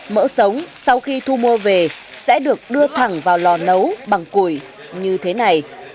mỡ sống sau khi thu mua về sẽ được đưa thẳng vào lò nấu bằng củi như thế này